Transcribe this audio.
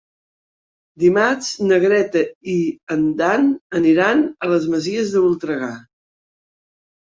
Dimarts na Greta i en Dan aniran a les Masies de Voltregà.